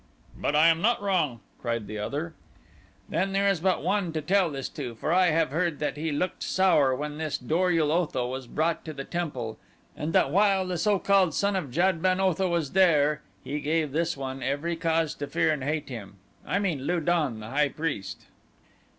"But I am not wrong!" cried the other. "Then there is but one to tell this to, for I have heard that he looked sour when this Dor ul Otho was brought to the temple and that while the so called son of Jad ben Otho was there he gave this one every cause to fear and hate him. I mean Lu don, the high priest."